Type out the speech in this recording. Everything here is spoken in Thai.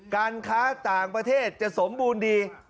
การค้าต่างประเทศจะสมบูรณ์ดี